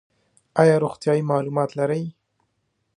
ایا روغتیایی معلومات لرئ؟